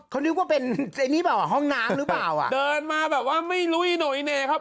เขานึกว่าเป็นไอ้นี่เปล่าอ่ะห้องน้ำหรือเปล่าอ่ะเดินมาแบบว่าไม่รู้อีโหยเน่ครับ